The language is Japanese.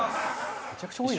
めちゃくちゃ多いな！